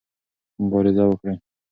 مبارزه وکړئ.